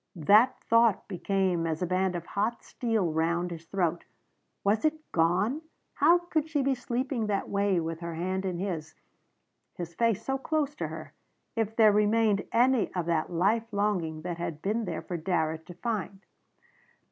That thought became as a band of hot steel round his throat. Was it gone? How could she be sleeping that way with her hand in his his face so close to her if there remained any of that life longing that had been there for Darrett to find?